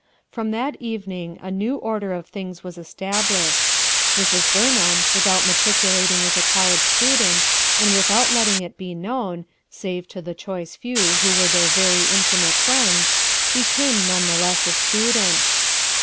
From that evening a new order of things w T as established ; Mrs Burnham, with out matriculating as a college student, and with out letting it be known, save to the choice few who were their very intimate friends, became nevertheless a student.